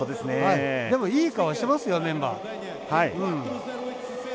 でも、いい顔してますよメンバー。